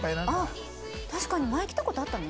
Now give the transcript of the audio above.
確かに前来た事あったね。